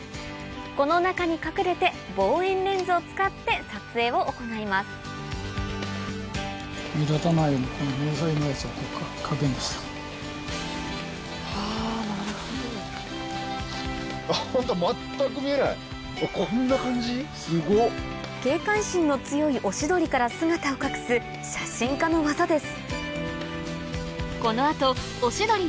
この中に隠れて望遠レンズを使って撮影を行います・あなるほど・警戒心の強いオシドリから姿を隠す写真家の技です